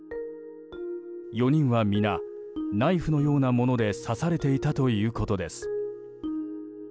４人は皆、ナイフのようなもので刺されていたということです。